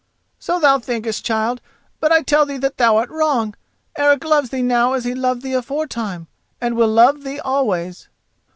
"So thou thinkest, child; but I tell thee that thou art wrong! Eric loves thee now as he loved thee aforetime, and will love thee always."